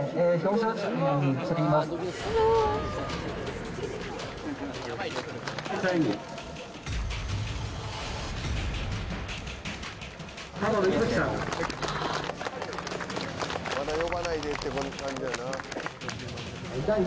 まだ呼ばないでって感じやな。